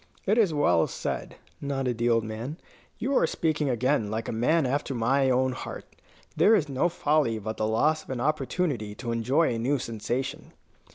"It is well said," nodded the old man; "you are speaking again like a man after my own heart. There is no folly but the loss of an opportunity to enjoy a new sensation."